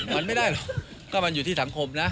มันไม่ได้หรอกก็มันอยู่ที่สังคมนะ